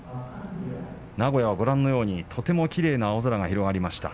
名古屋はご覧のように、とてもきれいな青空が広がりました。